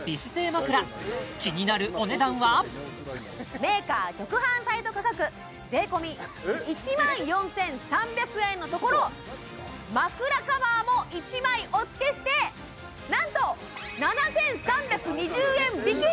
まくらメーカー直販サイト価格税込１万４３００円のところ枕カバーも１枚お付けしてなんと７３２０円引き！